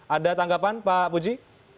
ada tanggapan pak apuji